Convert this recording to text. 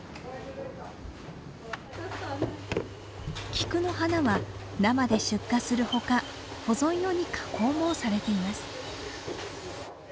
菊の花は生で出荷する他保存用に加工もされています。